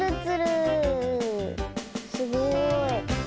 すごい。